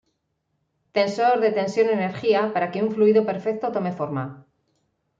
Tensor de tensión-energía para que un fluido perfecto tome forma.